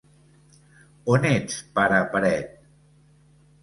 On ets, pare paret?